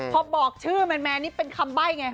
พอบอกชื่อแมนนี่เป็นคำใบ้ไง